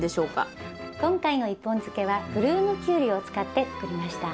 今回の１本漬けはブルームキュウリを使って作りました。